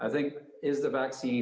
apakah itu akan